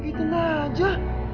emang kok juga